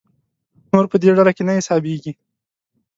نور په دې ډله کې نه حسابېږي.